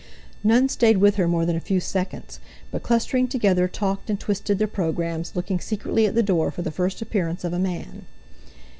None stayed with her more than a few seconds, but clustering together talked and twisted their programmes, looking secretly at the door for the first appearance of a man.